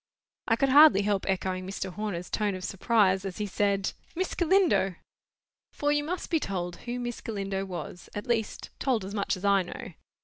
I could hardly help echoing Mr. Horner's tone of surprise as he said— "Miss Galindo!" For, you must be told who Miss Galindo was; at least, told as much as I know.